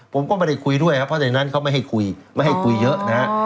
ผมก็ไม่ได้คุยด้วยครับเพราะในนั้นเขาไม่ให้คุยไม่ให้คุยเยอะนะฮะ